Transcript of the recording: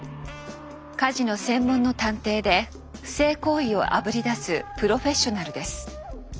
カジノ専門の探偵で不正行為をあぶり出すプロフェッショナルです。